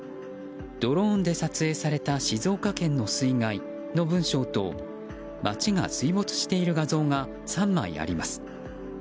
ドローンで撮影された静岡県の水害の文章と街が水没している画像が３枚あります。